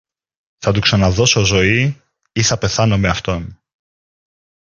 θα του ξαναδώσω ζωή ή θα πεθάνω με αυτόν.